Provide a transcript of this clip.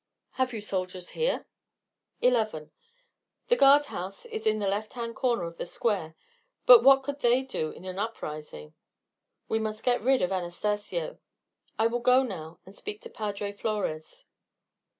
"Have you soldiers here?" "Eleven. The guard house is in the left hand corner of the square. But what could they do in an uprising? We must get rid of Anastacio. I will go now and speak to Padre Flores."